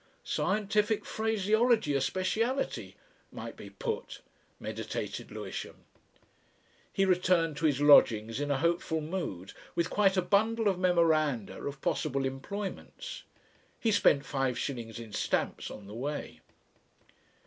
"'Scientific phraseology a speciality' might be put," meditated Lewisham. He returned to his lodgings in a hopeful mood with quite a bundle of memoranda of possible employments. He spent five shillings in stamps on the way.